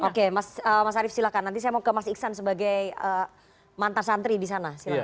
oke mas arief silahkan nanti saya mau ke mas iksan sebagai mantan santri di sana